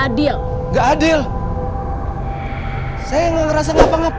aku akan menganggap